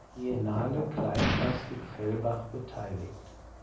Triennale Kleinplastik Fellbach beteiligt.